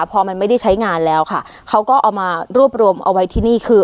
พอมันไม่ได้ใช้งานแล้วค่ะเขาก็เอามารวบรวมเอาไว้ที่นี่คือ